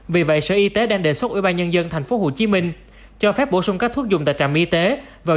vì vậy sở y tế đang đề xuất ubnd tp hcm cho phép bổ sung các thuốc dùng tại trạm y tế vào